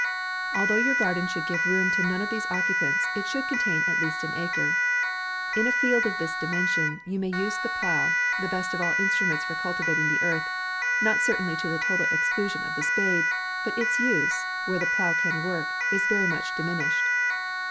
Although your garden should give room to none of these occupants, it should contain at least an acre. In a field of this dimension, you may use the plough, the best of all in struments for cultivating the earth ; not cer tainly to the total exclusion of the spade, but its use, where the plough can work, is very much diminished.